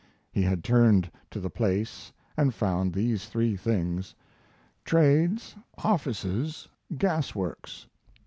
He had turned to that place and found these three things: "Trades, Offices, Gas Works."